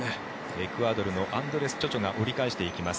エクアドルのアンドレス・チョチョが折り返していきます。